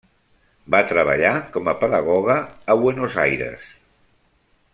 Va treballar com a pedagoga a Buenos Aires.